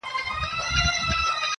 په يوه ځين کي دوې کوني نه ځائېږي.